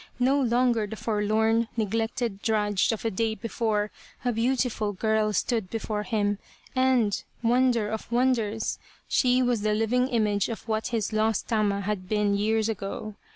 No longer the forlorn, neglected drudge of the day before, a beautiful girl stood before him. And wonder of wonders ! She was the living image of what his lost Tama had been years ago.